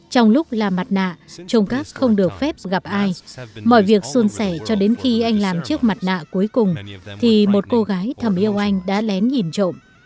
trong lúc làm mặt nạ chongkak không được phép gặp ai mọi việc xôn xẻ cho đến khi anh làm chiếc mặt nạ cuối cùng thì một cô gái thầm yêu anh đã lén nhìn trộm